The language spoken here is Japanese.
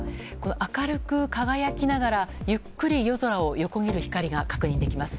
明るく輝きながらゆっくり夜空を横切る光が確認できます。